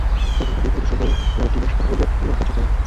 তবে এবার নির্ধারিত সময়ের প্রায় দুই মাস পার হলেও মেরামতকাজ সম্পন্ন হয়নি।